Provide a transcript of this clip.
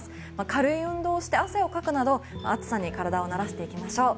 軽い運動をして汗をかくなど暑さに体を慣らしていきましょう。